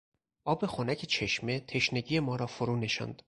آب خنک چشمه تشنگی ما را فرونشاند.